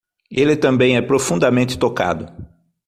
Ele também é profundamente tocado